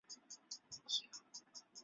软体定义网路是一种新型网络架构。